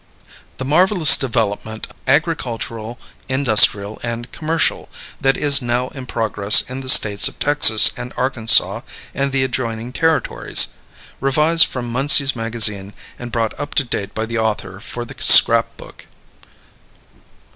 The Marvelous Development, Agricultural, Industrial, and Commercial, That Is Now in Progress in the States of Texas and Arkansas and the Adjoining Territories. Revised from MUNSEY'S MAGAZINE and brought up to date by the author for THE SCRAP BOOK.